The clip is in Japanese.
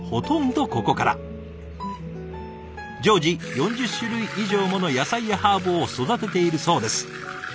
常時４０種類以上もの野菜やハーブを育てているそうです。